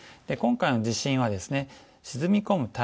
今回の地震は、沈み込む